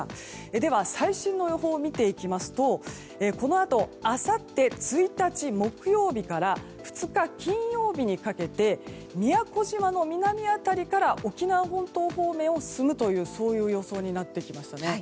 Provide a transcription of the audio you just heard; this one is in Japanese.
では、最新の予報を見ていきますとこのあと、あさって１日、木曜日から２日、金曜日にかけて宮古島の南辺りから沖縄本島方面を進むという予想になってきましたね。